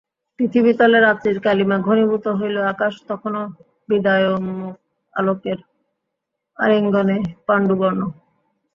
পৃথিবীতলে রাত্রির কালিমা ঘনীভূত হইল–আকাশ তখনো বিদায়োন্মুখ আলোকের আলিঙ্গনে পাণ্ডুবর্ণ।